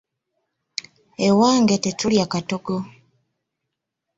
Ewange tetulya katogo.